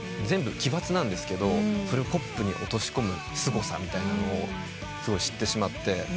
全部奇抜なんですけどそれをポップに落とし込むすごさみたいなのを知ってしまって。